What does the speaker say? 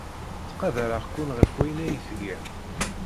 Ttqadareɣ-ken ɣef wayen ay tgam.